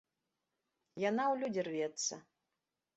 Яна ў людзі рвецца.